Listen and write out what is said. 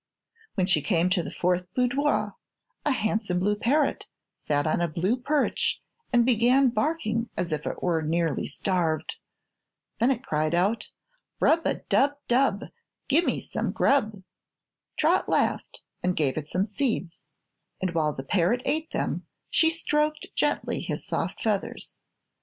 When she came to the fourth boudoir a handsome blue parrot sat on a blue perch and began barking as if it were nearly starved. Then it cried out: "Rub a dub, dub, Gimme some grub!" Trot laughed and gave it some seeds, and while the parrot ate them she stroked gently his soft feathers.